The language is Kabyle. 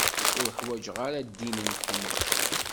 Ur ḥwaǧeɣ ara ddin-nkent.